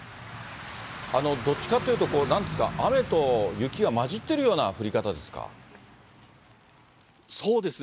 どっちかというと、なんですか、雨と雪が交じっているような降り方ですか？